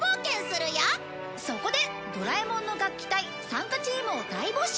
そこでドラえもんの楽器隊参加チームを大募集！